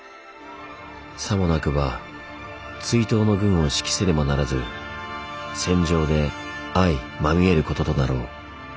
さもなくば追討の軍を指揮せねばならず戦場で相まみえることとなろう」。